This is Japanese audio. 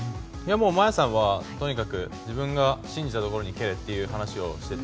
麻也さんは、とにかく自分が信じたところに蹴れという話をしていて。